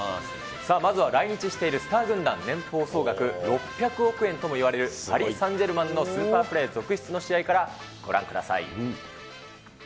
まずは来日しているスター軍団、年俸総額６００億円ともいわれるパリ・サンジェルマンのスーパープレー続出の試合からご覧ください。